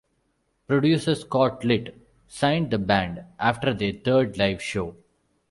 Producer Scott Litt signed the band after their third live show.